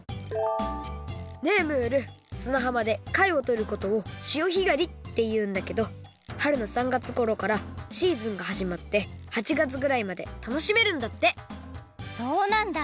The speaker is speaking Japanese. ねえムールすなはまでかいをとることを潮干狩りっていうんだけどはるの３がつごろからシーズンがはじまって８がつぐらいまで楽しめるんだってそうなんだ！